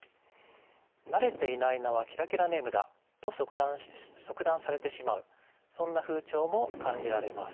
慣れていない名はキラキラネームだと即断されてしまうそんな風潮も感じられます。